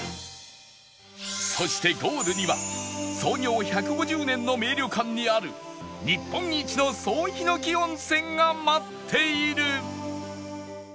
そしてゴールには創業１５０年の名旅館にある日本一の総ヒノキ温泉が待っている